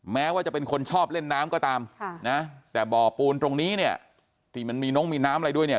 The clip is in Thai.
แม้ว่าจะเป็นคนชอบเล่นน้ำก็ตามค่ะนะแต่บ่อปูนตรงนี้เนี่ยที่มันมีน้องมีน้ำอะไรด้วยเนี่ย